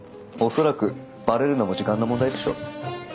恐らくバレるのも時間の問題でしょう。